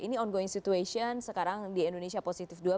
ini ongoing situation sekarang di indonesia positif dua